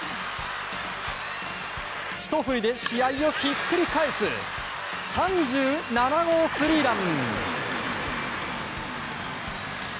ひと振りで試合をひっくり返す３７号スリーラン。